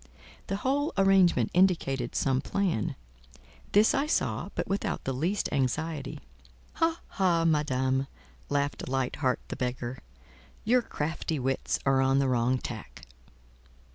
The whole arrangement indicated some plan; this I saw, but without the least anxiety. "Ha! ha! Madame," laughed Light heart the Beggar, "your crafty wits are on the wrong tack."